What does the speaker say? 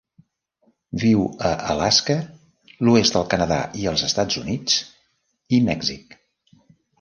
Viu a Alaska, l'oest del Canadà i els Estats Units i Mèxic.